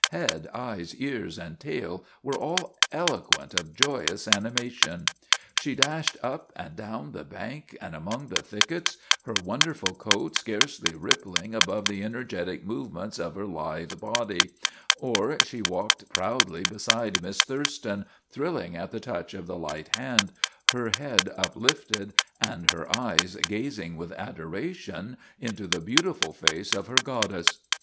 Head, eyes, ears, and tail were all eloquent of joyous animation. She dashed up and down the bank and among the thickets, her wonder ful coat scarcely rippling above the energetic move ments of her lithe body; or she walked proudly be side Miss Thurston, thrilling at the touch of the light hand, her head uplifted and her eyes gazing with adoration into the beautiful face of her god dess.